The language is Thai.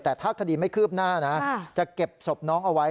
แต่ถ้าคดีไม่คืบหน้านะจะเก็บศพน้องเอาไว้